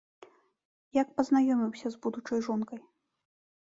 Як пазнаёміўся з будучай жонкай?